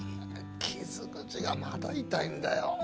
傷口がまだ痛いんだよ！